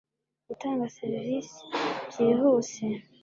Gutanga serivisi byihuse